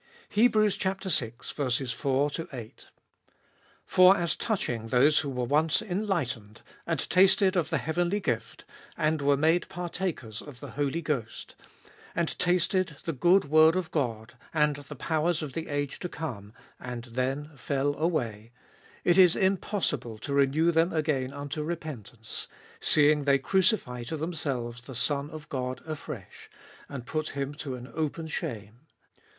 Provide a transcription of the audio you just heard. THE DANGER OF FALLING AWAY. VI.— 4. For as touching those who were once enlightened, and tasted of the heavenly gift, and were made partakers of the Holy Ghost, 5. And tasted the good word of God, and the powers of the age to come, and then fell away, 6. It is impossible to renew them again unto repentance; seeing they crucify to themselves the Son of God afresh, and put him to an open shame.